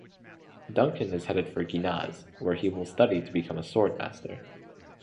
Duncan is headed for Ginaz, where he will study to become a swordmaster.